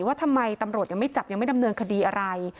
ว่าทำไมตำรวจยังไม่จับยังไม่ดำเนินคดีอะไร